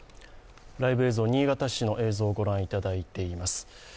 ライブ映像、新潟市の映像をご覧いただいています。